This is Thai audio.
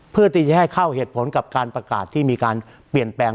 เพื่อที่จะให้เข้าเหตุผลกับการประกาศที่มีการเปลี่ยนแปลง